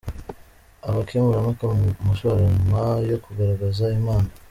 Abakemurampaka mu marushanwa yo kugaragaza impano.